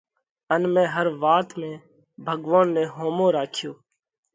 ان مئين هر وات ۾ ڀڳوونَ نئہ ۿومو راکيوھ۔